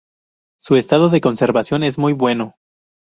Su estado de conservación es muy bueno.